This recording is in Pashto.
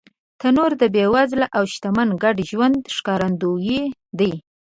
تنور د بېوزله او شتمن ګډ ژوند ښکارندوی دی